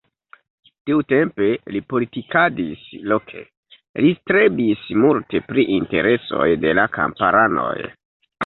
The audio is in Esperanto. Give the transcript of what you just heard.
Tiutempe li politikadis loke, li strebis multe pri interesoj de la kamparanoj.